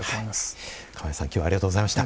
釜井さんありがとうございました。